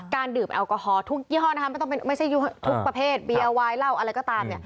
การดื่มแอลกอฮอล์ทุกยรภัณฑ์ไม่ใช่ทุกประเภทเบียโอไวเล่าอะไรก็ตาม